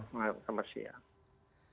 baik selamat siang